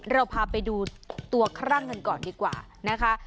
เราพาไปดูตัวครั่งกันก่อนดีกว่านะคะ